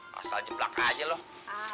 masuk aja belakang aja loh